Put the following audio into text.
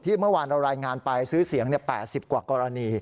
เมื่อวานเรารายงานไปซื้อเสียง๘๐กว่ากรณี